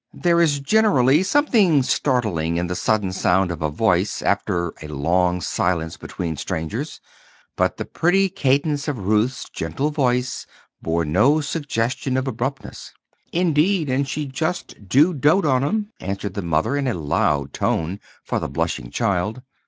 There is generally something startling in the sudden sound of a voice after a long silence between strangers; but the pretty cadence of Ruth's gentle voice bore no suggestion of abruptness. "Indeed, and she just do dote on 'em," answered the mother, in a loud tone, for the blushing child.